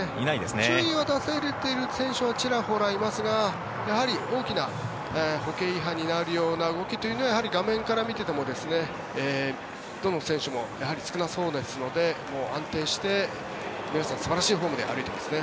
注意が出されている選手はちらほらいますがやはり大きな歩型違反になるような動きというのは画面から見ていてもどの選手も少なそうですので安定して皆さんは素晴らしいフォームで歩いていますね。